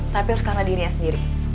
tapi harus karena dirinya sendiri